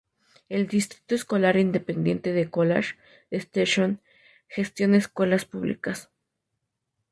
El Distrito Escolar Independiente de College Station gestiona escuelas públicas.